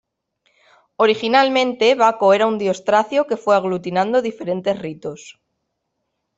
Originalmente, Baco era un dios tracio que fue aglutinando diferentes ritos.